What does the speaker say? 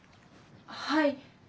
・はい。